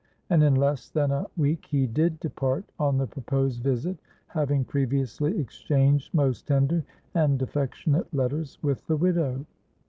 And in less than a week he did depart on the proposed visit, having previously exchanged most tender and affectionate letters with the widow.